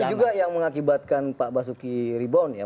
itu juga yang mengakibatkan pak basuki rebound ya